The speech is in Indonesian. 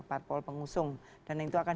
parpol pengusung dan itu akan